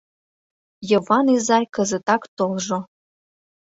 — Йыван изай кызытак толжо.